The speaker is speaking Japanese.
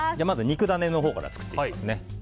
まず肉ダネのほうから作っていきますね。